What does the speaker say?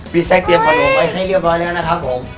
มีแซคเตรียมขนมไว้ให้เรียบร้อยแล้วนะครับผม